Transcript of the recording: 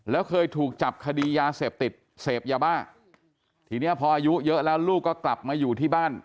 แล้วเคยถูกจับคดียาเสพติดเสพยาบ้าทีนี้พออายุเยอะแล้วลูกก็กลับมาอยู่ที่บ้าน